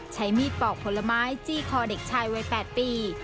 ใช้มีดปอกผลไม้จี้คอเด็กชายวัย๘ปี